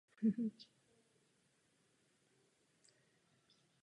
Ale je velmi potřebná v době nesnází a utrpení.